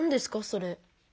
それ。